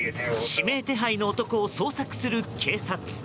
指名手配の男を捜索する警察。